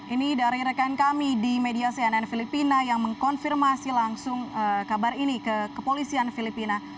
ini dari rekan kami di media cnn filipina yang mengkonfirmasi langsung kabar ini ke kepolisian filipina